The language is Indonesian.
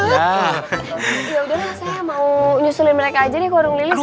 yaudah lah saya mau nyusulin mereka aja nih ke warung lilis